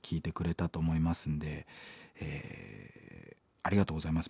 ありがとうございます